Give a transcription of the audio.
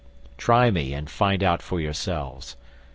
Try me and find out for yourselves.